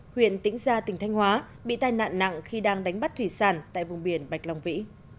huyện tĩnh gia tỉnh thanh hóa bị tai nạn nặng khi đang đánh bắt thủy sản tại vùng biển bạch long vĩ